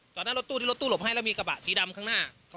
หน้ารถตู้ที่รถตู้หลบให้แล้วมีกระบะสีดำข้างหน้า